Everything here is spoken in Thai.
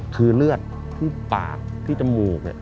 คือเลือดคือปากที่จมูกเนี่ย